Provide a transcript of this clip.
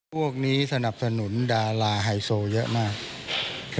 พวกนี้สนับสนุนดาราไฮโซเยอะมาก